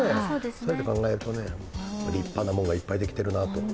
そうやって考えると、立派なものがいっぱいできているなと。